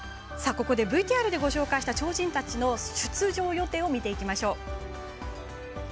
ここでＶＴＲで紹介した超人たちの出場予定を見ていきましょう。